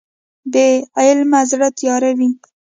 بې علمه زړه تیاره وي.